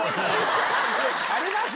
ありますよ！